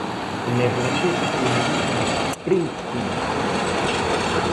O neerlandés foi o mellor no esprinte final.